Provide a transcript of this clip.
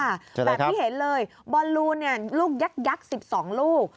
แบบที่เห็นเลยบอลลูนลูกยักษ์๑๒ลูก